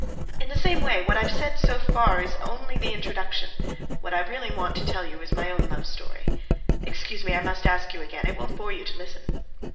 In the same way what I've said so far is only the introduction; what I really want to tell you is my own love story. Excuse me, I must ask you again; it won't bore you to listen?"